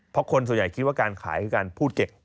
เพราะคนส่วนใหญ่คิดว่าการขายคือการพูดเก็บ